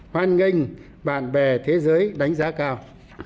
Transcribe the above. hoan nghênh bạn bè thế giới đánh giá cao